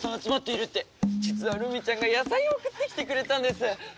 実はルミちゃんが野菜を送ってきてくれたんです。